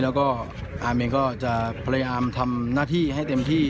แล้วก็อาร์มเองก็จะพยายามทำหน้าที่ให้เต็มที่